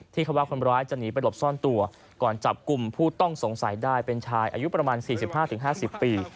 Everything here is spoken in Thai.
คำว่าคนร้ายจะหนีไปหลบซ่อนตัวก่อนจับกลุ่มผู้ต้องสงสัยได้เป็นชายอายุประมาณ๔๕๕๐ปี